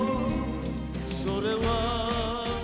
それは幻」